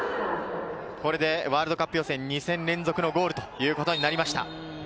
これでワールドカップ予選、２戦連続のゴールということになりました。